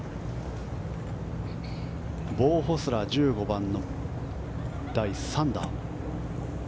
ボウ・ホスラー１５番の第３打。